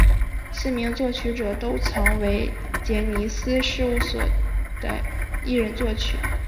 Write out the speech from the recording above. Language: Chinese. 四名作曲者都曾为杰尼斯事务所的艺人作曲。